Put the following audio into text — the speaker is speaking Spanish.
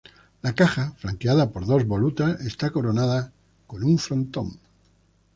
La caja, flanqueada por dos volutas, esta coronada con un frontón.